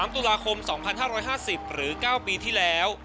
๓ตุลาคม๒๕๕๐หรือ๙ปีที่แล้ว